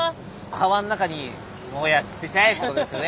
川の中にもういいや捨てちゃえってことですよね。